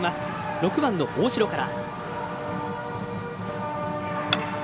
６番の大城から。